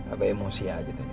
agak emosi aja tapi